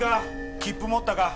切符持ったか？